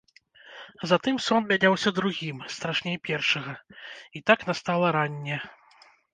Затым сон мяняўся другім, страшней першага, і так настала ранне.